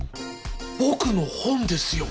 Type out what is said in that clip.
僕の本ですよ！